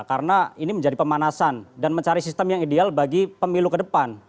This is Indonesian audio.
karena ini menjadi pemanasan dan mencari sistem yang ideal bagi pemilu ke depan